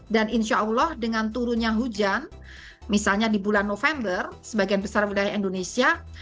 dan insya allah dengan turunnya hujan misalnya di bulan november sebagian besar wilayah indonesia